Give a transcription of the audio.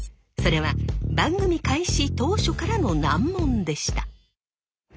それは番組開始当初からの難問でした。